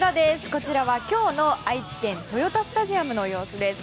こちらは今日の愛知県豊田スタジアムの様子です。